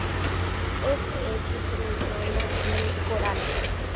Este hecho se menciona en el Corán.